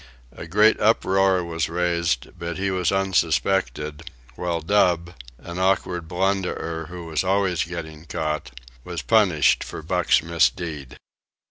A great uproar was raised, but he was unsuspected; while Dub, an awkward blunderer who was always getting caught, was punished for Buck's misdeed.